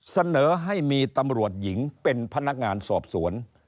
เสนอให้มีตำรวจหญิงเป็นพนักงานสอบสวน